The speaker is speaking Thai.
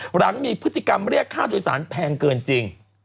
หลังมีพฤติกรรมเรียกค่าโดยสารแพงเกินจริง